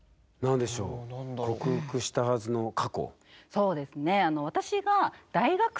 そうですね